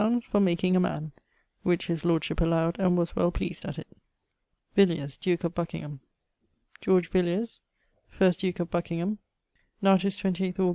_ for making a man' which his lordship allowed and was well pleased at it. =Villiers=, duke of Buckingham. George Villiers, 1st duke of Buckingham, natus 28 Aug.